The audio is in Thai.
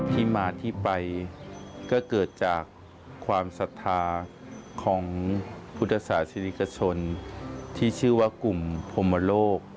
ที่มาที่ไปก็เกิดจากความศรัทธาของพุทธศาสนิกชนที่ชื่อว่ากลุ่มพรมโลก